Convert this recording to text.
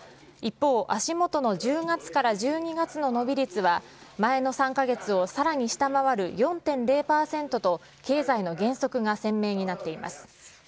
一方、足元の１０月から１２月の伸び率は、前の３か月をさらに下回る４．０％と、経済の減速が鮮明になっています。